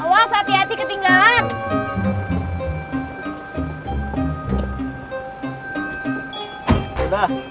awas hati hati ketinggalan